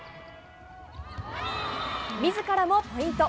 みずからもポイント。